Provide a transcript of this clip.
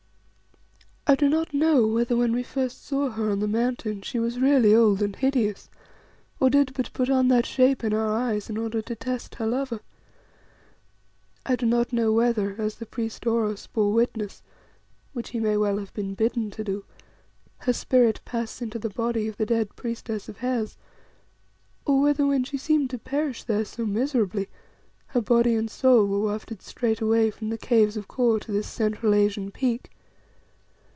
I do not know whether when first we saw her on the Mountain she was really old and hideous, or did but put on that shape in our eyes in order to test her lover. I do not know whether, as the priest Oros bore witness which he may well have been bidden to do her spirit passed into the body of the dead priestess of Hes, or whether when she seemed to perish there so miserably, her body and her soul were wafted straightway from the Caves of Kôr to this Central Asian peak.